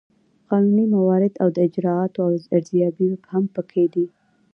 قانوني موارد او د اجرااتو ارزیابي هم پکې دي.